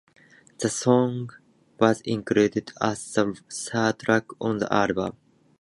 The song was included as the third track on the album.